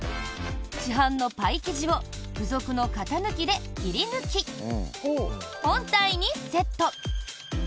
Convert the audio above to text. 市販のパイ生地を付属の型抜きで切り抜き本体にセット。